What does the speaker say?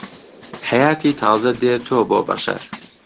حەیاتی تازە دێتۆ بۆ بەشەر